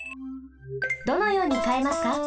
どのようにかえますか？